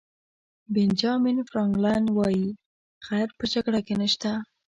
بنجامین فرانکلن وایي خیر په جګړه کې نشته.